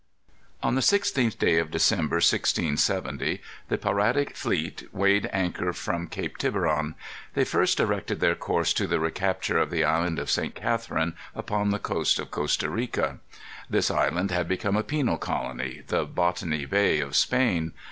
On the 16th day of December, 1670, the piratic fleet weighed anchor from Cape Tiburon. They first directed their course to the recapture of the Island of St. Catherine upon the coast of Costa Rica. This island had become a penal colony, the Botany Bay, of Spain.